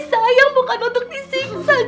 disayang bukan untuk disingsan cu